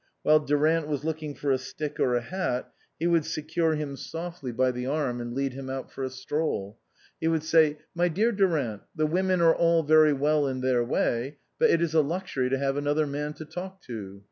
While Durant was looking for a stick or a hat, he would secure him softly by the 35 THE COSMOPOLITAN arm and lead him out for a stroll. He would say, "My dear Durant, the women are all very well in their way, but it is a luxury to have another man to talk to."